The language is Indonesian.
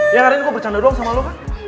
ya arin gue bercanda doang sama lo kan